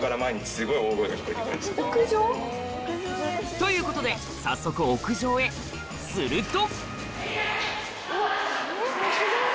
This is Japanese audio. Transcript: ということで早速屋上へすると・